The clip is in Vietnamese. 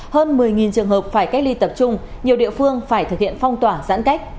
hơn một mươi trường hợp phải cách ly tập trung nhiều địa phương phải thực hiện phong tỏa giãn cách